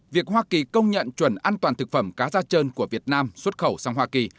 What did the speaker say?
việc hoa kỳ công nhận chuẩn an toàn thực phẩm cá da trơn của việt nam xuất khẩu sang hoa kỳ